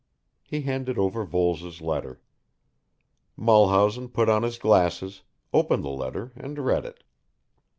He handed over Voles' letter. Mulhausen put on his glasses, opened the letter, and read it.